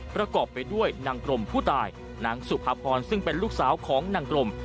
ประกอบไปด้วยนางกรมผู้ตายนางสุภาพรซึ่งเป็นลูกสาวของนางกลม